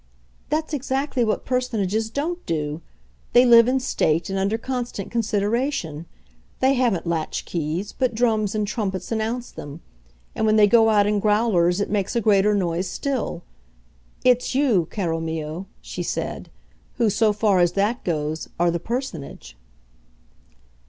"That's exactly what Personages don't do: they live in state and under constant consideration; they haven't latch keys, but drums and trumpets announce them; and when they go out in growlers it makes a greater noise still. It's you, caro mio," she said, "who, so far as that goes, are the Personage."